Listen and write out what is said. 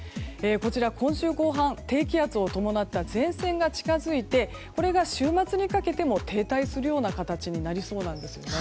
こちら、今週後半低気圧を伴った前線が近づいて、これが週末にかけても停滞するような形になりそうなんですね。